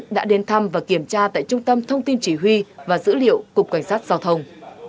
đã đến thăm và kiểm tra tại trung tâm thông tin chỉ huy và dữ liệu cục cảnh sát giao thông